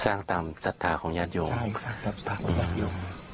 สร้างตามศรัทธาของญาติยกใช่สรรคิดใจตามศรัทธาของญาติยก